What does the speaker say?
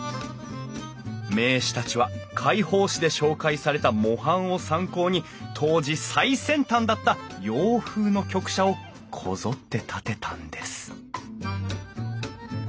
名士たちは会報誌で紹介された模範を参考に当時最先端だった洋風の局舎をこぞって建てたんです